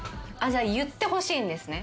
じゃあ言ってほしいんですね。